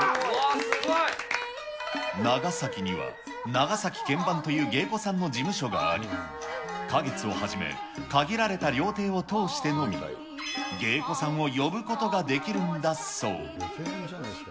長崎には、長崎検番という芸子さんの事務所があり、花月をはじめ、限られた料亭を通してのみ、芸子さんを呼ぶことができるんだそう。